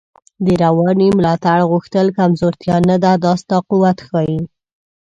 د روانی ملاتړ غوښتل کمزوتیا نده، دا ستا قوت ښایی